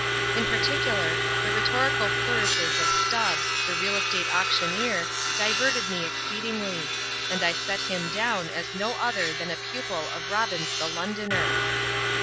Li par ticular, the rhetorical flourishes of Stubbs, the real estate auctioneer, diverted me exceedingly, and I set him down as no other than a pupil of Robins the Londoner.